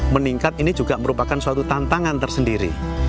meningkat ini juga merupakan suatu tantangan tersendiri